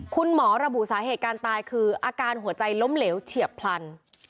คุณหมอระบุสาเหตุการตายคืออาการหัวใจล้มเหลวเฉียบพลัน